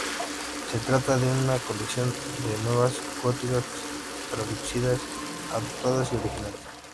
Se trata de una colección de novelas góticas traducidas, adaptadas y originales.